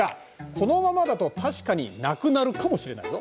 このままだと確かになくなるかもしれないぞ。